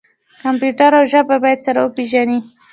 کمپیوټر او ژبه باید سره وپیژني.